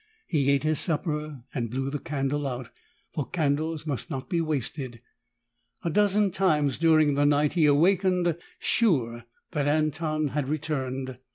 He ate his supper and blew the candle out, for candles must not be wasted. A dozen times during the night he awakened, sure that Anton had returned.